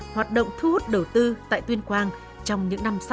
hoạt động thu hút đầu tư tại tuyên quang trong những năm sắp tới